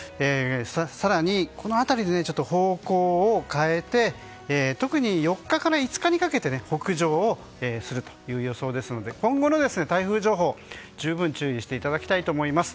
更に、この辺りで方向を変えて特に４日から５日にかけて北上をするという予想ですので今後の台風情報に十分注意していただきたいと思います。